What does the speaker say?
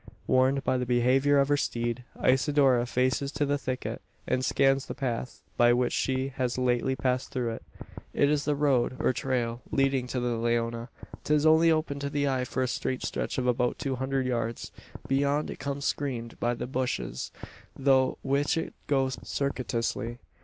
Warned by the behaviour of her steed, Isidora faces to the thicket, and scans the path by which she has lately passed through it. It is the road, or trail, leading to the Leona. 'Tis only open to the eye for a straight stretch of about two hundred yards. Beyond, it becomes screened by the bushes, through which it goes circuitously.